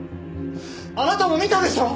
あなたも見たでしょ？